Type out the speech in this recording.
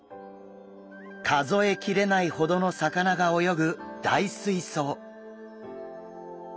数えきれないほどの魚が泳ぐ大水槽。